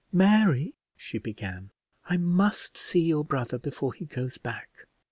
"Mary," she began, "I must see your brother before he goes back."